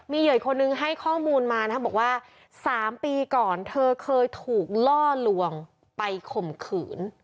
เหยื่ออีกคนนึงให้ข้อมูลมานะบอกว่า๓ปีก่อนเธอเคยถูกล่อลวงไปข่มขืน